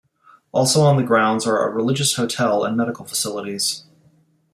Also on the grounds are a religious hotel and medical facilities.